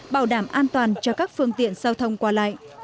bảo đảm an toàn cho các phương tiện giao thông qua lại